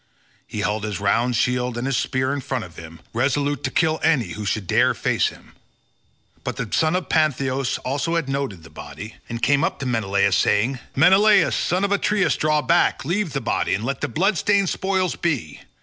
He held his round shield and his spear in front of him, resolute to kill any who should dare face him. But the son of Panthous had also noted the body, and came up to Menelaus saying, "Menelaus, son of Atreus, draw back, leave the body, and let the blood stained spoils be.